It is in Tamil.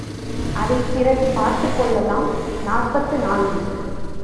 அதைப்பிறகு பார்த்துக்கொள்ளலாம் நாற்பத்து நான்கு.